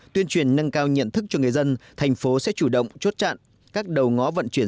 tuyên truyền nâng cao nhận thức cho người dân thành phố sẽ chủ động chốt chặn các đầu ngó vận chuyển